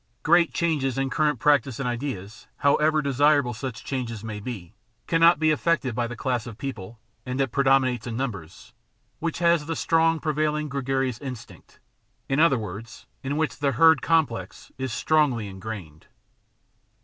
Great changes in current practice and ideas, however de sirable such changes may be, cannot be effected by the class of people — and it predominates in numbers — which has the strong prevailing gregarious instinct — in other words, in which the herd complex is strongly engrained.